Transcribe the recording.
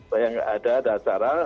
saya tidak ada acara